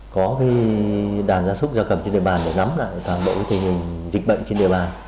có đàn ra súc ra cầm trên địa bàn để nắm lại toàn bộ thị hình dịch bệnh trên địa bàn